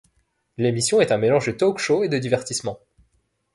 L'émission est un mélange de talk-show et de divertissement.